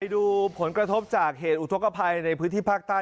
ภัยดูผลกระทบจากเหตุอุตุครไภย์ในพื้นที่ภาคใต้